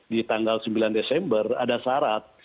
di tanggal sembilan desember ada syarat